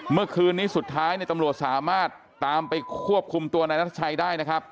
เมื่อคืนนี้สุดท้ายเนี่ยตำรวจสามารถตามไปควบคุมตัวนายนัทชัยได้นะครับ